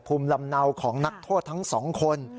ภูมิลำเนาของนักโทษทั้งสองคน